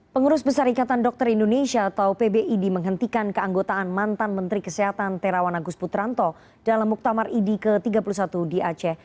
pengurus besar ikatan dokter indonesia atau pbid menghentikan keanggotaan mantan menteri kesehatan terawan agus putranto dalam muktamar idi ke tiga puluh satu di aceh